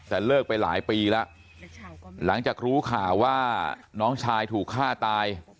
แต่เลิกไปหลายปีแล้วหลังจากรู้ข่าวว่าน้องชายถูกฆ่าตาย